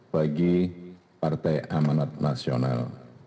bagi partai amalat nasional